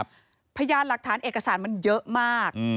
พยานหลักฐานเอกสารมันเยอะมาก